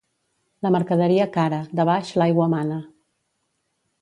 La mercaderia cara, de baix l'aigua mana.